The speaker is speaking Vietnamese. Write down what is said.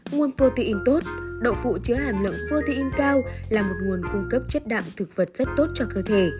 nguồn protein tốt độ phụ chứa hàm lượng protein cao là một nguồn cung cấp chất đạm thực vật rất tốt cho cơ thể